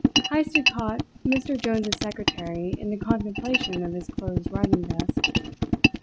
Heyst had caught Mr. Jones's secretary in the contemplation of his closed writing desk.